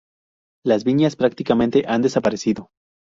Las viñas prácticamente ha desaparecido.